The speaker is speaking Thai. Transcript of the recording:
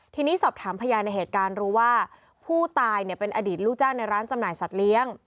ทีนี้สอบถามพยานในเหตุการณ์รู้ว่าผู้ตายเป็นอดีตลูกจ้างในร้านจำหน่ายสัตว์เลี้ยง